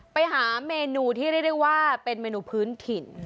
ไปหาเมนูที่เรียกได้ว่าเป็นเมนูพื้นถิ่น